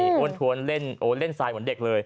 อ้วนทวนเล่นโอ้เล่นทรายเหมือนเด็กเลย